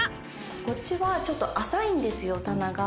こっちはちょっと浅いんですよ棚が。